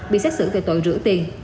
bị xét xử về tội rửa tiền